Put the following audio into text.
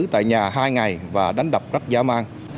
tại nhà hai ngày và đánh đập rất giả mang